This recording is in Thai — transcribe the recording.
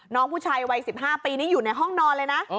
น้องผู้ชายวัย๑๕ปีนี้อยู่ในห้องนอนเลยนะ